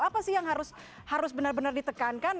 apa sih yang harus benar benar ditekankan